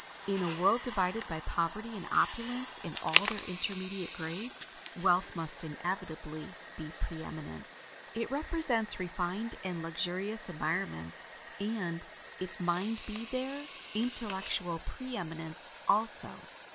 In a world divided by poverty and opulence into all their intermediate grades, wealth must inevitably be pre eminent. It represents refined and luxurious environments, and, if mind be there, intellectual pre eminence also.